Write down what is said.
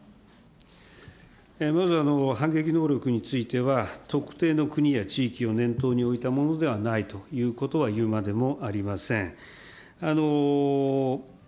まず反撃能力については、特定の国や地域を念頭に置いたものではないということはいうまでもありません。